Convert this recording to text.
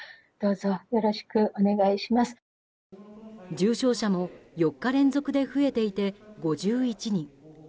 重症者も４日連続で増えていて５１人。